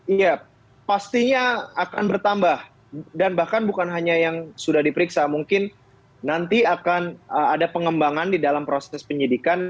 iya pastinya akan bertambah dan bahkan bukan hanya yang sudah diperiksa mungkin nanti akan ada pengembangan di dalam proses penyidikan